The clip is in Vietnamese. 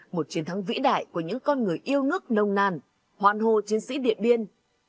một chiến thắng vĩ đại của những con người yêu nước nông nàn hoàn hồ chiến sĩ điện biên